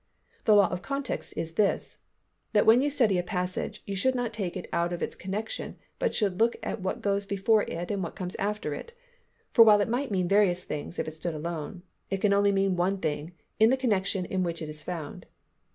The law of context is this; that when you study a passage, you should not take it out of its connection but should look at what goes before it and what comes after it; for while it might mean various things if it stood alone, it can only mean one thing in the connection in which it is found.